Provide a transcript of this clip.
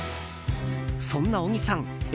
そんな小木さん